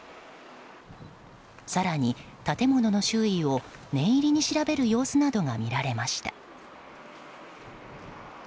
更に、建物の周囲を念入りに調べる様子などが見られました。